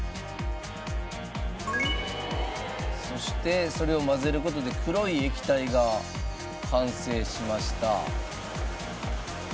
そしてそれを混ぜる事で黒い液体が完成しました。